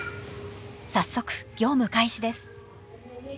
早速業務開始です。